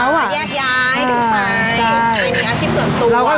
แยกย้ายถึงไหมมีอาชีพเหลือตัวอะใช่